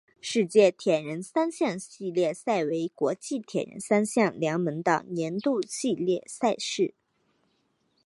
世界铁人三项系列赛为国际铁人三项联盟的年度系列赛事。